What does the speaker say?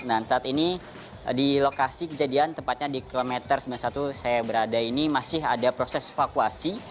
nah saat ini di lokasi kejadian tepatnya di kilometer sembilan puluh satu saya berada ini masih ada proses evakuasi